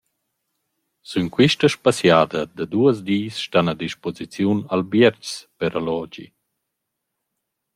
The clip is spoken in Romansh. Sün quista spassegiada da duos dis stan a disposiziun albiergs per allogi.